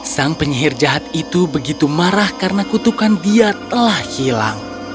sang penyihir jahat itu begitu marah karena kutukan dia telah hilang